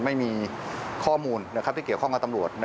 ไม่มีข้อมูลที่เกี่ยวข้องกับตำรวจ